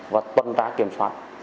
và tuân trá kiểm soát